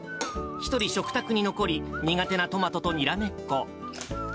一人、食卓に残り、苦手なトマトとにらめっこ。